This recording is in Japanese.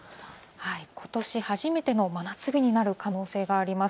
ことし初めての真夏日になる可能性があります。